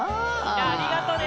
・ありがとね。